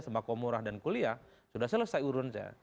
sembako murah dan kuliah sudah selesai urunnya